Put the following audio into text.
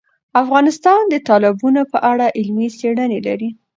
افغانستان د تالابونه په اړه علمي څېړنې لري.